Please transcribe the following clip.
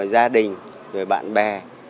gia đình rồi bạn bè